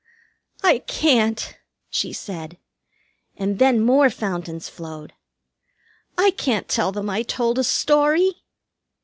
"I can't!" she said; and then more fountains flowed. "I can't tell them I told a story!"